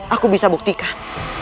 aku bisa buktikan